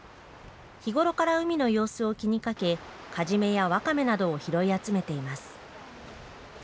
日頃から海の様子を気にかけ、カジメやワカメなどを拾い集めています。